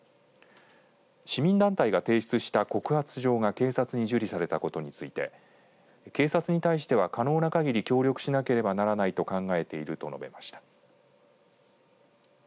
市民団体が提出した告発状が警察に受理されたことについて警察に対しては可能な限り協力しなければならないと考えていると述べました。